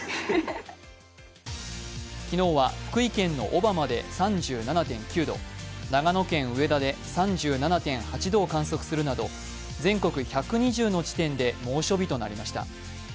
昨日は福井県の小浜で３７．９度、長野県上田で３７．８度を観測するなど全国１２０の地点で猛暑日となりました。